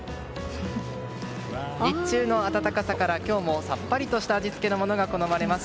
日中の暖かさから、今日もさっぱりとした味付けのものが好まれます。